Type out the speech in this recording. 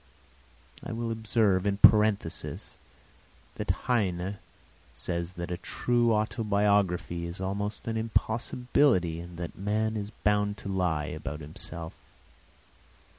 I will observe, in parenthesis, that Heine says that a true autobiography is almost an impossibility, and that man is bound to lie about himself.